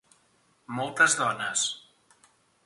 Moltes dones.